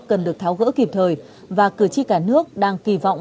cần được tháo gỡ kịp thời và cử tri cả nước đang kỳ vọng